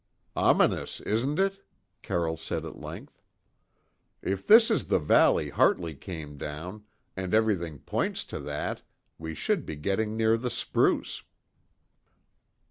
"Ominous, isn't it?" Carroll said at length. "If this is the valley Hartley came down, and everything points to that, we should be getting near the spruce."